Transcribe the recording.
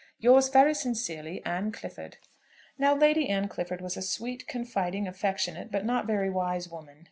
Yours very sincerely, "ANNE CLIFFORD." Now Lady Anne Clifford was a sweet, confiding, affectionate, but not very wise woman.